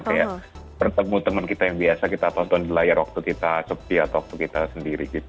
kayak bertemu teman kita yang biasa kita tonton di layar waktu kita sepi atau waktu kita sendiri gitu